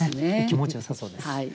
気持ちよさそうです。